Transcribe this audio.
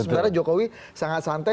sementara jokowi sangat santai